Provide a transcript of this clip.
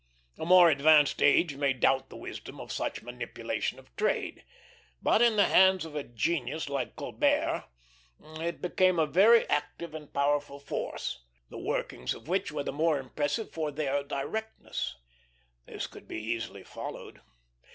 A more advanced age may doubt the wisdom of such manipulation of trade; but in the hands of a genius like Colbert it became a very active and powerful force, the workings of which were the more impressive for their directness. They could be easily followed.